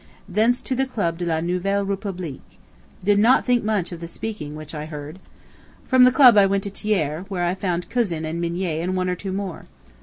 Thence to the Club de la Nouvelle Republique. Did not think much of the speaking which I heard. From the club I went to Thiers, where I found Cousin and Mignet and one or two more.